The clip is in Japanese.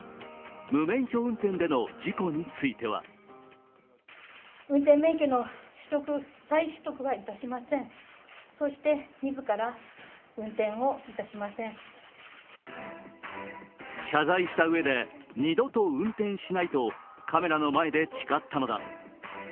無免許運転での事故については謝罪したうえで、二度と運転しないとカメラの前で誓ったのだ。